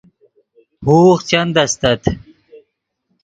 ہوغ چند استت